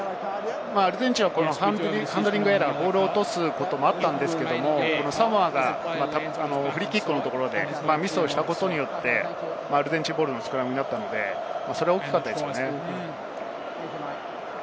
アルゼンチンはハンドリングエラー、ボールを落とすこともあったんですけれど、サモアがフリーキックのところでミスをしたことによって、アルゼンチンボールのスクラムになったのでそれが大きかったですね。